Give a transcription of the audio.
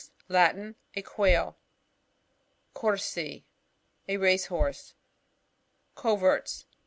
— Latin. A Quail. j Courser. — A race horse. ^ j Coverts.